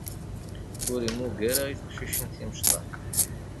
Ur immug ara i teqcicin timecṭaḥ.